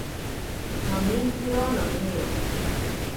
Nonintsiro noniro.